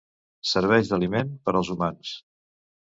Serveix d'aliment per als humans.